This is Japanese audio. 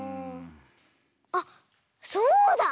あっそうだ！